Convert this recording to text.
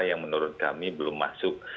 yang menurut kami belum masuk